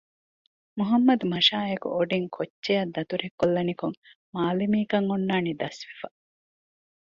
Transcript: މުޙައްމަދު މަށާއެކު އޮޑިން ކޮއްޗެއަށް ދަތުރެއްކޮށްލަނިކޮށް މާލިމީކަން އޮންނާނީ ދަސްވެފަ